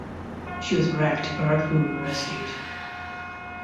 She was wrecked but her crew were rescued.